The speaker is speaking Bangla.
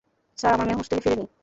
স্যার, আমার মেয়ে হোস্টেলে ফিরে নি।